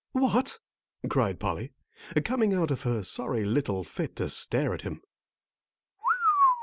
"What?" cried Polly, coming out of her sorry little fit to stare at him.